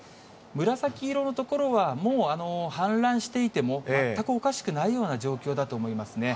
紫色の所は、もう氾濫していても全くおかしくないような状況だと思いますね。